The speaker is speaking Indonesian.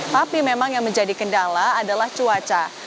tapi memang yang menjadi kendala adalah cuaca